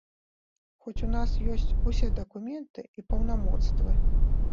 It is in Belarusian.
Хоць у нас ёсць усе дакументы і паўнамоцтвы.